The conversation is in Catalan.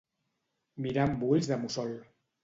Mirar amb ulls de mussol.